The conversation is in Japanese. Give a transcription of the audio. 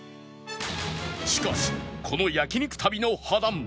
しかしこの焼肉旅の波乱